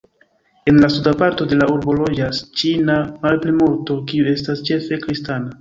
En la suda parto de la urbo loĝas ĉina malplimulto, kiu estas ĉefe kristana.